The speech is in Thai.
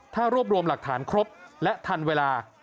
ถ้ารวบรวมหลักฐานครบและทันเวลา